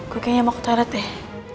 gue kayaknya mau ke toilet deh